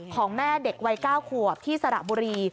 ของแม่เด็กวัย๙ขวบที่สระบุรี